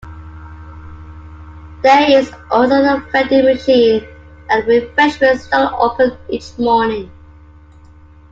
There is also a vending machine and a refreshment stall open each morning.